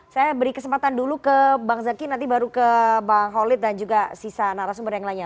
saya beri kesempatan dulu ke bang zaky nanti baru ke bang holid dan juga sisa narasumber yang lainnya